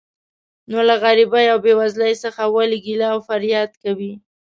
نو له غریبۍ او بې وزلۍ څخه ولې ګیله او فریاد کوې.